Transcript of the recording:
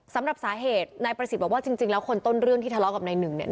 สำหรับสาเหตุนายประสิทธิ์บอกว่าจริงแล้วคนต้นเรื่องที่ทะเลาะกับนายหนึ่งเนี่ย